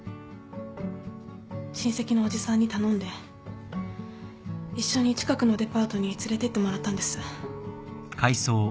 親戚のおじさんに頼んで一緒に近くのデパートに連れていってもらったんです。